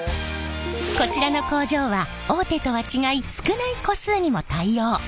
こちらの工場は大手とは違い少ない個数にも対応！